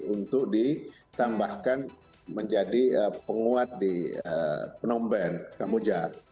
untuk ditambahkan menjadi penguat di penomben kamuja